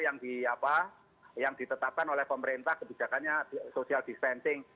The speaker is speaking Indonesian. yang ditetapkan oleh pemerintah kebijakannya social distancing